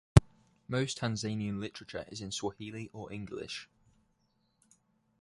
Most Tanzanian literature is in Swahili or English.